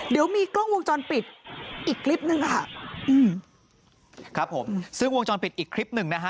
เดี๋ยวมีกล้องวงจรปิดอีกคลิปหนึ่งค่ะอืมครับผมซึ่งวงจรปิดอีกคลิปหนึ่งนะฮะ